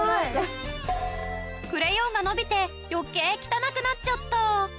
クレヨンが伸びて余計汚くなっちゃった！